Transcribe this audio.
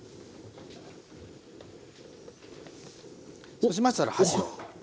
そうしましたら箸を。